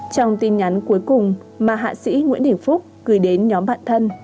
trong tin nhắn cuối cùng mà hạ sĩ nguyễn đình phúc gửi đến nhóm bạn thân